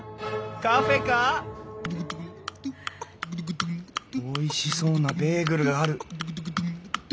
カフェか⁉おいしそうなベーグルがある！